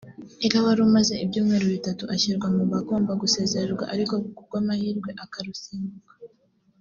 Ellah wari umaze ibyumweru bitatu ashyirwa mu bagomba gusezererwa ariko ku bw’amahirwe akarusimbuka